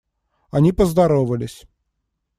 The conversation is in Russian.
Они поздоровались.